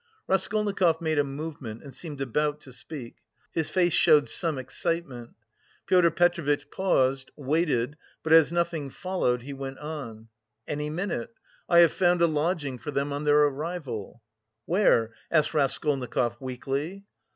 Raskolnikov made a movement and seemed about to speak; his face showed some excitement. Pyotr Petrovitch paused, waited, but as nothing followed, he went on: "... Any minute. I have found a lodging for them on their arrival." "Where?" asked Raskolnikov weakly.